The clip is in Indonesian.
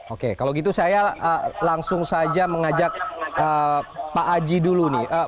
oke kalau gitu saya langsung saja mengajak pak aji dulu nih